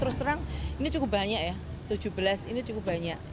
terus terang ini cukup banyak ya tujuh belas ini cukup banyak